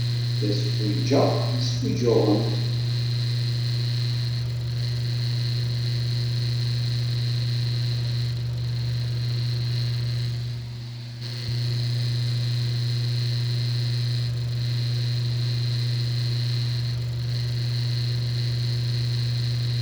Bdan ttemsefhamen gar-asen amek ad iyi-xedmen.